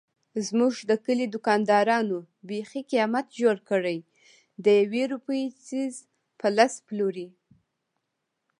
زموږ د کلي دوکاندارانو بیخي قیامت جوړ کړی دیوې روپۍ څيز په لس پلوري.